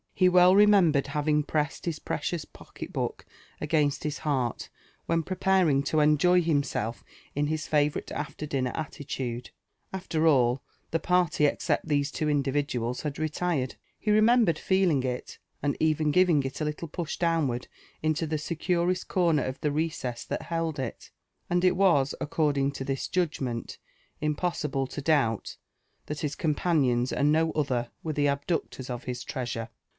He well remembered having pressed his precious pocket ibopk 13 M Um AND ADVIMTIIRBS OV agliM bf§ heart, whien ^preptring to enjoy himself irt his tftfotirite afler dinner allltiide, afler all the parly except these two individuals had retired ; h^ remembered feeling it, and even giving it a little ptish downward inlo Ihe securest corner of Ihe recess that held it, and U tr88, according to hts judgment, impossible to doubt thai his coiBpa Dions and no oUier were the abductors of his treasure.